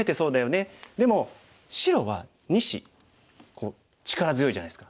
でも白は２子こう力強いじゃないですか。